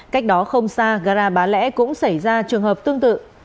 cách đó không xa gara bá lẽ cũng xảy ra trường hợp tương tự